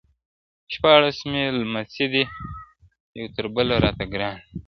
شپاړس مي لمسي دي یو تر بله راته ګران دي -